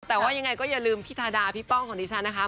แต่ว่ายังไงก็อย่าลืมพี่ทาดาพี่ป้องของดิฉันนะคะ